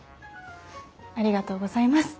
ありがとうございます。